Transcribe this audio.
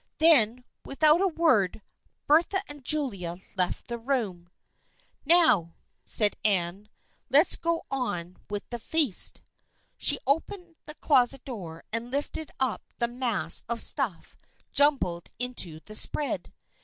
Then without a word, Bertha and Julia left the room. " Now," said Anne, " let's go on with the feast." She opened the closet door and lifted up the mass of stuff jumbled into the spread.